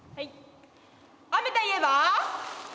雨といえば。